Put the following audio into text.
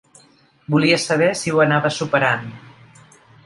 Volia saber si ho anaves superant.